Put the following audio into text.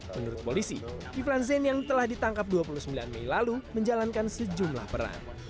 menurut polisi kiflan zain yang telah ditangkap dua puluh sembilan mei lalu menjalankan sejumlah peran